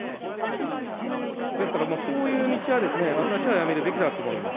ですからそういう道は、私はやめるべきだと思います。